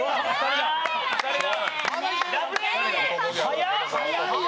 早っ！